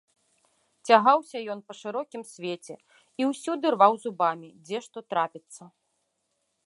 Цягаўся ён па шырокім свеце і ўсюды рваў зубамі, дзе што трапіцца.